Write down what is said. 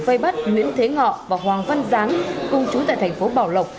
vây bắt nguyễn thế ngọ và hoàng văn giáng công chú tại thành phố bảo lộc